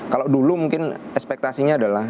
kalau dulu mungkin ekspektasinya adalah